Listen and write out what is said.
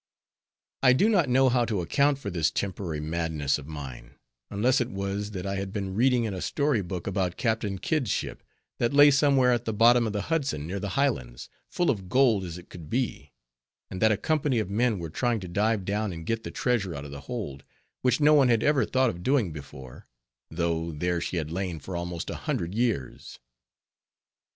I do not know how to account for this temporary madness of mine, unless it was, that I had been reading in a story book about Captain Kidd's ship, that lay somewhere at the bottom of the Hudson near the Highlands, full of gold as it could be; and that a company of men were trying to dive down and get the treasure out of the hold, which no one had ever thought of doing before, though there she had lain for almost a hundred years.